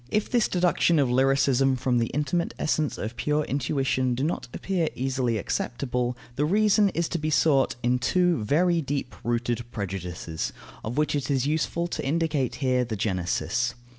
If this deduction of lyricism from the intimate essence of pure intuition do not appear easily acceptable, the reason is to be sought in two very deep rooted prejudices, of which it is useful to indicate here the genesis.